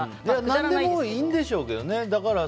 何でもいいんでしょうけどね。